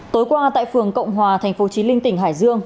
tối qua tại phường cộng hòa tp chí linh tỉnh hải dương